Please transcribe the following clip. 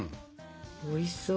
おいしそう。